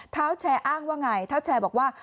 เท้าแชร์อ้างว่าไงเท้าแชร์บอกว่า